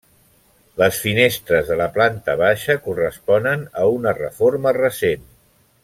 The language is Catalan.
Les finestres de la planta baixa corresponen a una reforma recent.